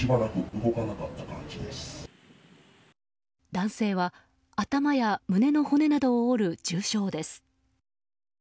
男性は頭や胸の骨などを折る重傷です。